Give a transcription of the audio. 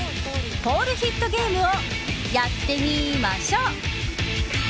ポールヒットゲームをやってみましょ！